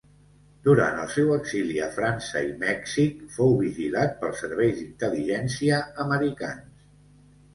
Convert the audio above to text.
Durant el seu exili a França i Mèxic fou vigilat pels serveis d'intel·ligència americans.